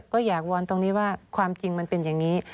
ก็อยากวอนตรงนี้ว่าความจริงมันเป็นอย่างนี้